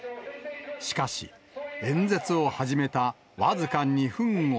しかし、演説を始めた僅か２分後。